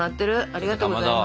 ありがとうございます。